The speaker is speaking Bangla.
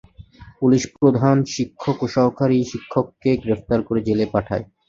পুলিশ প্রধান শিক্ষক ও সহকারী শিক্ষককে গ্রেফতার করে জেলে পাঠায়।